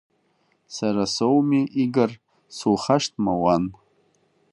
Сара соуми Игор, сухашҭма, уан…